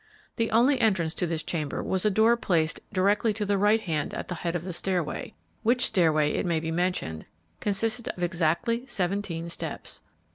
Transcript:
The only entrance to this chamber was a door placed directly to the right hand at the head of the stairway, which stairway, it may be mentioned, consisted of exactly seventeen steps.